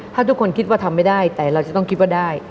ถ้าทุกคนคิดว่าทำไม่ได้แต่เราจะต้องคิดว่าได้